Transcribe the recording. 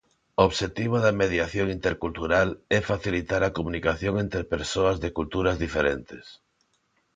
O obxectivo da mediación intercultural é facilitar a comunicación entre persoas de culturas diferentes.